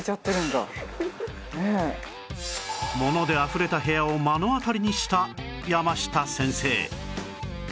ものであふれた部屋を目の当たりにしたやました先生